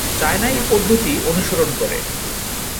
China এই পদ্ধতি অনুসরণ করে।